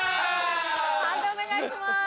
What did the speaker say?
判定お願いします。